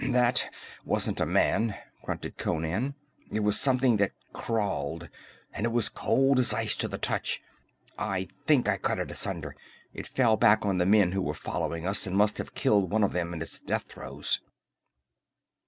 "This wasn't a man," grunted Conan. "It was something that crawled, and it was as cold as ice to the touch. I think I cut it asunder. It fell back on the men who were following us, and must have killed one of them in its death throes."